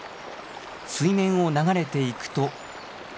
水面を流れていくと。